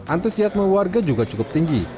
antusiasme warga juga cukup tinggi